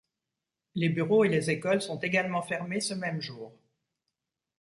Les bureaux et les écoles sont également fermés ce même jour.